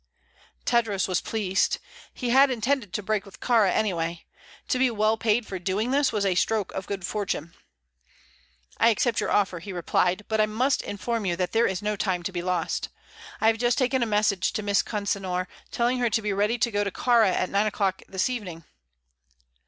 Tadros was pleased. He had intended to break with Kāra anyway. To be well paid for doing this was a stroke of good fortune. "I accept your offer," he replied. "But I must inform you that there is no time to be lost. I have just taken a message to Miss Consinor, telling her to be ready to go to Kāra at nine o'clock this evening."